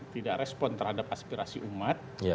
tidak respon terhadap aspirasi umat